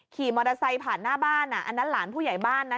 ขี่มอเตอร์ไซค์ผ่านหน้าบ้านอันนั้นหลานผู้ใหญ่บ้านนะ